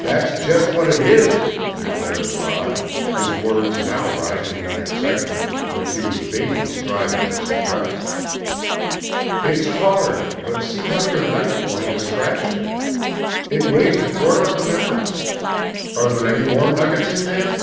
"That's just what it is!" declared Rod, his words now rising in the excitement which he was vainly striving to suppress. "It's hard, but see how your knife point has scratched it! It weighs a quarter of an ounce! Are there any more nuggets in there?"